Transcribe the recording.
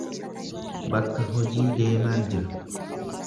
Bakka hojii deemaan jira.